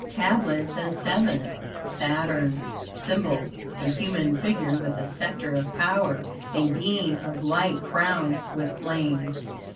TABLET THE SEVENTH Saturn SYMBOL A human figure with a scepter of power, a being of light crowned with flames.